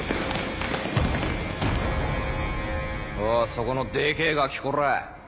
そこのでけえガキコラァ。